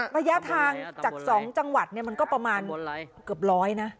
ระยะทางจาก๒จังหวัดมันก็ประมาณเกือบร้อยนะ